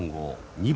２番。